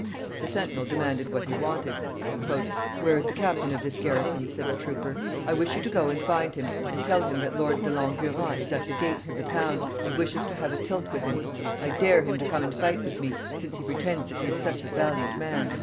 The sentinel demanded what he wanted. "Where is the captain of this garrison?" said the trooper. "I wish you to go and find him, and tell him that Lord De Langurant is at the gates of the town, and wishes to have a tilt with him. I dare him to come and fight with me, since he pretends that he is such a valiant man.